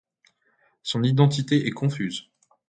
Son identité est confuse.